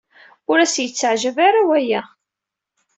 Ur as-yetteɛjab ara waya.